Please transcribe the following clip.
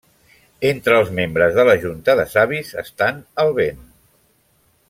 Entre els membres de la Junta de Savis estan el Ven.